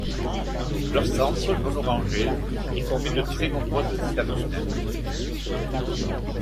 Leur centre, jaune orangé, est formé de très nombreuses étamines.